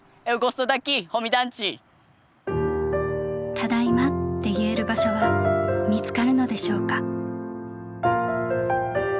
「ただいま」って言える場所は見つかるのでしょうか。